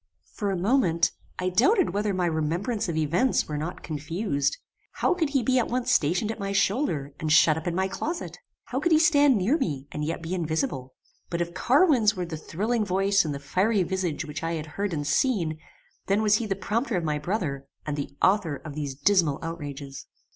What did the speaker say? For a moment I doubted whether my remembrance of events were not confused. How could he be at once stationed at my shoulder and shut up in my closet? How could he stand near me and yet be invisible? But if Carwin's were the thrilling voice and the fiery visage which I had heard and seen, then was he the prompter of my brother, and the author of these dismal outrages.